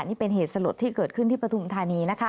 นี่เป็นเหตุสลดที่เกิดขึ้นที่ปฐุมธานีนะคะ